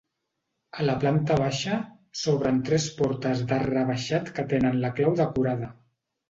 A la planta baixa s'obren tres portes d'arc rebaixat que tenen la clau decorada.